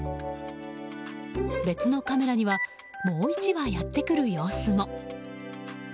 別のカメラにはもう１羽やってくる様子も。